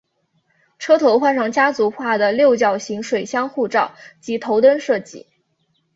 车头换上家族化的六角形水箱护罩及头灯设计。